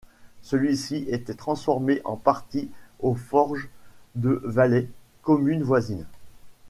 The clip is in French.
Celui-ci était transformé en partie aux forges de Valay, commune voisine.